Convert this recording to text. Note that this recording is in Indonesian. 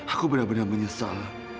aku benar benar menyesal